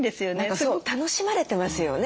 そう楽しまれてますよね。